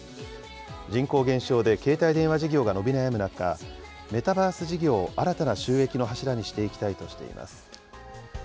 人口減少で携帯電話事業が伸び悩む中、メタバース事業を新たな収益の柱にしていきたいとしています。